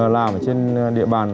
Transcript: làm ở trên địa bàn